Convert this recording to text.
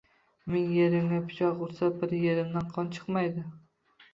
Ming yerimga pichoq ursa bir yerimdan qon chiqmaydi.